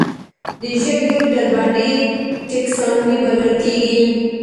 د ژویو ډلبندي ټکسانومي بلل کیږي